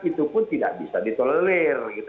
itu pun tidak bisa ditolelir